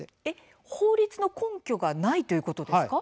法律の根拠がないということですか。